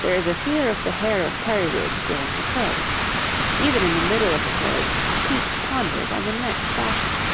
There is a fear of the hair of periwigs during the Plague. Even in the middle of the Plague Pepys ponders on the next fashion.